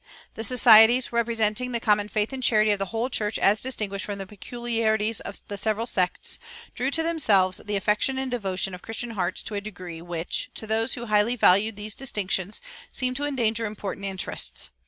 "[406:3] The societies, representing the common faith and charity of the whole church as distinguished from the peculiarities of the several sects, drew to themselves the affection and devotion of Christian hearts to a degree which, to those who highly valued these distinctions, seemed to endanger important interests.